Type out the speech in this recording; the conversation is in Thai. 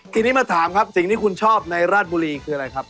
ทีนี้มาถามครับสิ่งที่คุณชอบในราชบุรีคืออะไรครับ